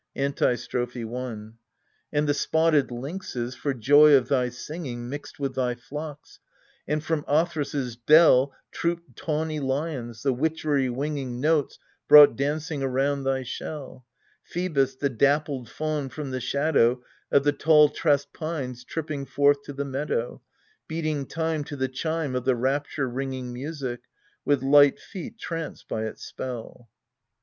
Antistrophe i And the spotted lynxes for joy of thy singing Mixed with thy flocks ; and from Othrys' dell Trooped tawny lions : the witchery winging Notes brought dancing around thy shell, Phcebus, the dappled fawn from the shadow Of the tall tressed pines tripping forth to the meadow, Beating time to the chime of the rapture ringing Music, with light feet tranced by its spell.